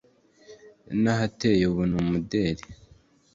hanateye ubu n’umudeli